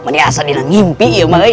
maniasan ini ngimpi ya mah ya